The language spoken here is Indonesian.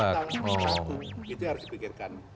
itu harus dipikirkan